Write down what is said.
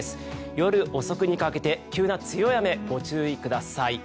夜遅くにかけて急な強い雨ご注意ください。